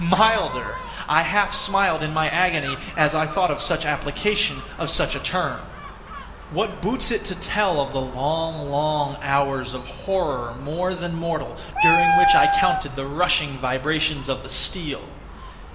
Milder! I half smiled in my agony as I thought of such application of such a term. What boots it to tell of the long, long hours of horror more than mortal, during which I counted the rushing vibrations of the steel!